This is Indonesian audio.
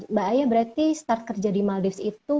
mbak ayah berarti start kerja di maldives itu